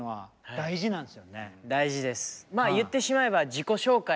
大事です。